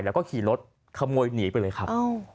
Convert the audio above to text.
แล้วก็ขี่รถขโมยหนีไปเลยครับ